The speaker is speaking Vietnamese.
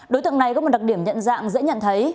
đối tượng này có một đặc điểm nhận dạng dễ nhận thấy